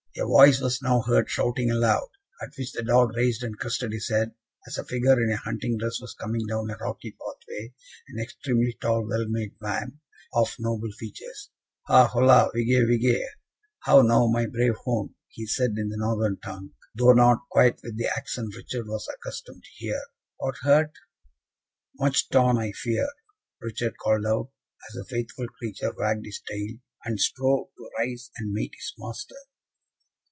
A voice was now heard shouting aloud, at which the dog raised and crested his head, as a figure in a hunting dress was coming down a rocky pathway, an extremely tall, well made man, of noble features. "Ha! holla! Vige! Vige! How now, my brave hound?" he said in the Northern tongue, though not quite with the accent Richard was accustomed to hear "Art hurt?" "Much torn, I fear," Richard called out, as the faithful creature wagged his tail, and strove to rise and meet his master.